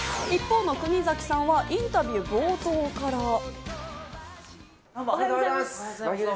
一方の国崎さんはインタビュー冒頭から。